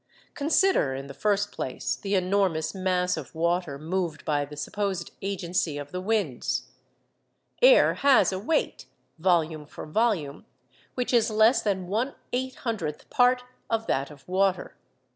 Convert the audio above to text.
Consider, in the first place, the enormous mass of water moved by the supposed agency of the winds. Air has a weight—volume for volume—which is less than one eight hundredth part of that of water.